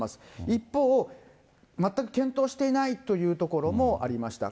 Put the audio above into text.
一方、全く検討していないというところもありました。